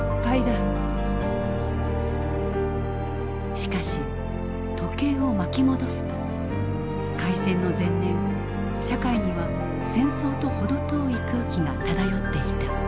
しかし時計を巻き戻すと開戦の前年社会には戦争と程遠い空気が漂っていた。